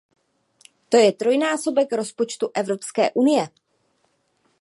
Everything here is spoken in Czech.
To je trojnásobek rozpočtu Evropské unie!